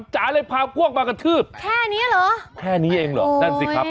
จ๋าเลยพาพวกมากระทืบแค่นี้เหรอแค่นี้เองเหรอนั่นสิครับ